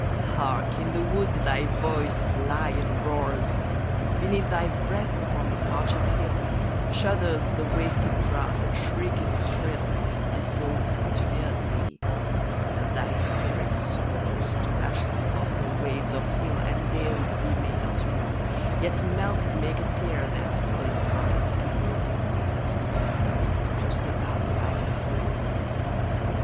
Hark! in the wood thy voice, a lion, roars! Beneath thy breath upon the parchèd hill, Shudders the wasted grass, and shrieketh shrill, As though it feared thee: but thy spirit soars To lash the fossil waves of hill and dale Ye may not move, yet melted make appear Their solid sides, enrobed in rains ye bear Across the valley like a falling veil.